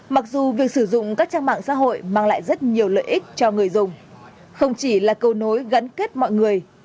mặc dù việc sử dụng các trang mạng xã hội mang lại rất nhiều lợi ích cho người dùng không chỉ là câu nối gắn kết mọi người